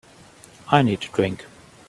I need a drink.